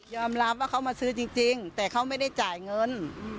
รับว่าเขามาซื้อจริงแต่เขาไม่ได้จ่ายเงิน